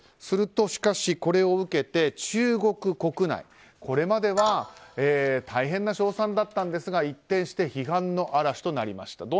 すると、しかしこれを受けて中国国内これまでは大変な称賛だったんですが一転して批判の嵐となりました。